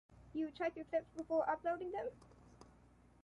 Do you check your clips before uploading them?